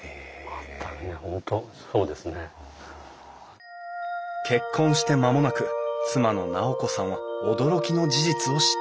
全くね本当そうですね。結婚して間もなく妻の尚子さんは驚きの事実を知った。